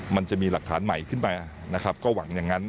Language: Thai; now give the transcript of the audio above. มันจะมีหลักฐานใหม่ขึ้นมานะครับก็หวังอย่างนั้น